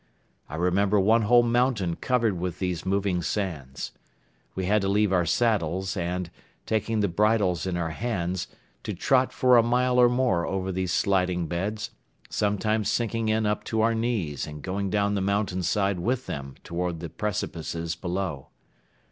I remember one whole mountain covered with these moving sands. We had to leave our saddles and, taking the bridles in our hands, to trot for a mile or more over these sliding beds, sometimes sinking in up to our knees and going down the mountain side with them toward the precipices below.